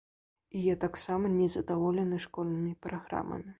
І я таксама незадаволены школьнымі праграмамі.